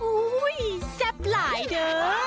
แซ่บหลายเด้อ